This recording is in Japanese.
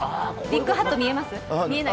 ビッグハット見えます？